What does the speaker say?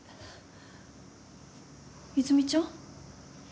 泉ちゃん？